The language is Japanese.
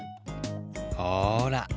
ほら。